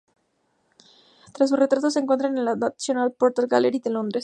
Tres de sus retratos se encuentran en la National Portrait Gallery, de Londres.